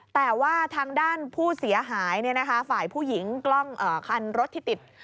แต่ว่าทางด้านผู้เสียหายฝ่ายผู้หญิงกล้องคันรถที่ติด